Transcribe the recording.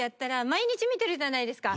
毎日見てるじゃないですか。